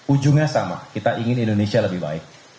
ujungnya sama kita ingin indonesia lebih baik